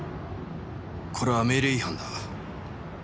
これは命令違反だ。